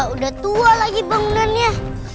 udah tua lagi bangunannya